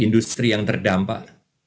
industri yang terdampak